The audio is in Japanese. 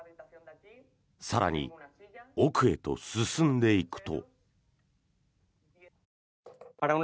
更に、奥へと進んでいくと。